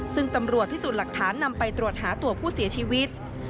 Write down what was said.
ซึ่งตำรวจพิสูจน์หลักฐานนำไปตรวจหาตัวผู้เสียชีวิต